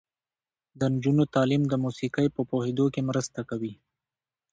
د نجونو تعلیم د موسیقۍ په پوهیدو کې مرسته کوي.